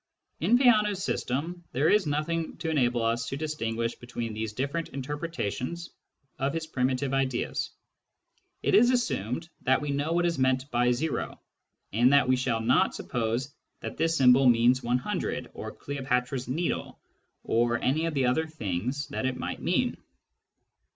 In Peano's system there is nothing to enable us to distinguish between these different interpretations of his primitive ideas. It is assumed that we know what is meant by " o," and that we shall not suppose that this symbol means 100 or Cleopatra's Needle or any of the other things that it might mean.